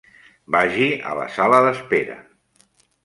Vagi a la sala d'espera.